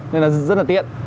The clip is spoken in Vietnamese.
nên là rất là tiện